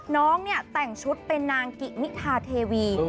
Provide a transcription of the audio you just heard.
น้องเนี่ยแต่งชุดเป็นนางกินิทาเทวี